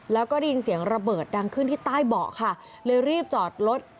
แล้วก็ได้ยินเสียงระเบิดดังขึ้นที่ใต้เบาะค่ะเลยรีบจอดรถ